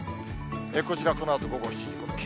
こちら、このあと午後７時。